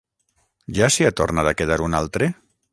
Ja s'hi ha tornat a quedar un altre?